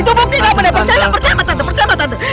itu bukti gak bener percaya percaya sama tante